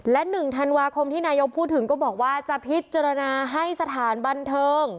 และ๑ธันวาคมที่นายกพูดถึงก็บอกว่าจะพิจารณาให้สถานบันเทิง